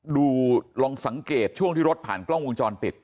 ลองสังเกตช่วงที่รถผ่านกล้องวงจรปิด